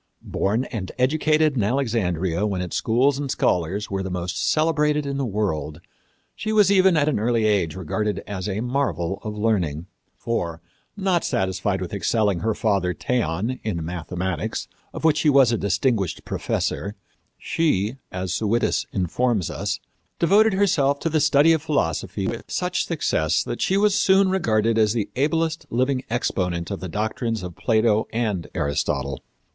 Born and educated in Alexandria when its schools and scholars were the most celebrated in the world, she was even at an early age regarded as a marvel of learning. For, not satisfied with excelling her father, Theon, in mathematics, of which he was a distinguished professor, she, as Suidas informs us, devoted herself to the study of philosophy with such success that she was soon regarded as the ablest living exponent of the doctrines of Plato and Aristotle.